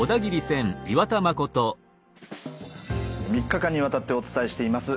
３日間にわたってお伝えしています